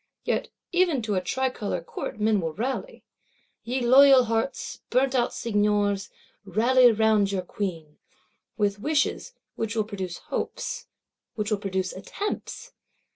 Yet even to a tricolor Court men will rally. Ye loyal hearts, burnt out Seigneurs, rally round your Queen! With wishes; which will produce hopes; which will produce attempts!